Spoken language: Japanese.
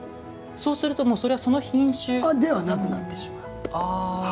そうすると、それはその品種ではなくなってしまう。